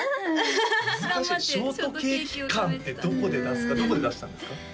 はい難しいショートケーキ感ってどこで出すかどこで出したんですか？